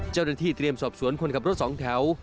เจ้าหน้าที่เตรียมสอบสวนคนขับรถสองแถว